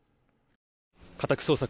家宅捜索